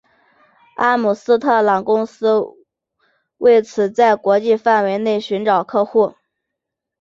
阿姆斯特朗公司为此在国际范围内寻找客户。